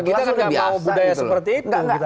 kita tidak mau budaya seperti itu